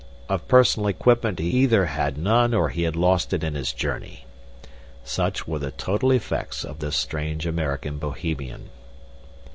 Of personal equipment he either had none or he had lost it in his journey. Such were the total effects of this strange American Bohemian.